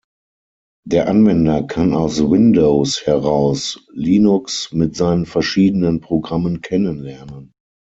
Der Anwender kann aus Windows heraus Linux mit seinen verschiedenen Programmen kennenlernen.